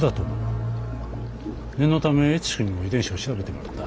念のためエツシくんにも遺伝子を調べてもらった。